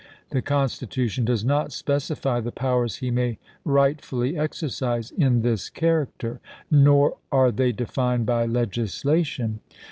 The Constitution does not specify the powers he may rightfully exercise in this character, nor are they denned by legislation.